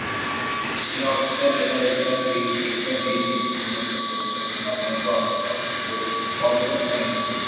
তিনটি অপেশাদার বেতার অভিযান "ডিএক্স-পেডিশন" এই দ্বীপ পরিদর্শন করেছেন এবং মাঝেমধ্যে অল্প সংখ্যক কিছু পর্যটক এখানে এসেছেন।